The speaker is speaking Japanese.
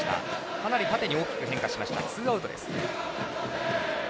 かなり縦に大きく変化しましたツーアウトです。